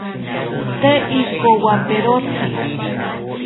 Tee ikowaperotzi